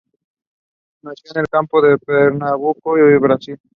Nació en el campo en Pernambuco, Brasil.